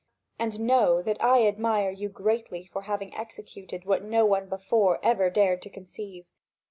And know that I admire you greatly for having executed what no one before ever dared to conceive.